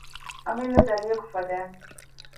އަމިއްލަ ދަރިއަކު ފަދައިން